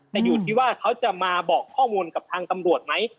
แต่อยู่ที่ว่าเขาจะมาบอกข้อมูลกับทางตำรวจไหม